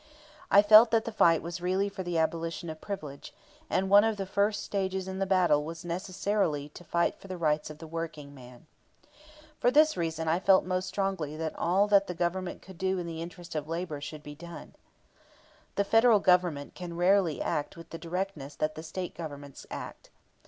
I felt that the fight was really for the abolition of privilege; and one of the first stages in the battle was necessarily to fight for the rights of the workingman. For this reason I felt most strongly that all that the government could do in the interest of labor should be done. The Federal Government can rarely act with the directness that the State governments act.